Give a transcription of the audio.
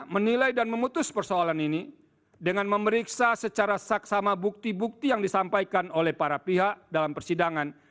menilai dan memutus persoalan ini dengan memeriksa secara saksama bukti bukti yang disampaikan oleh para pihak dalam persidangan